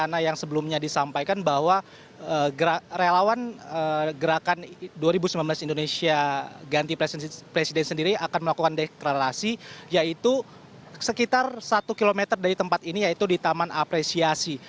karena yang sebelumnya disampaikan bahwa relawan gerakan dua ribu sembilan belas indonesia ganti presiden sendiri akan melakukan deklarasi yaitu sekitar satu km dari tempat ini yaitu di taman apresiasi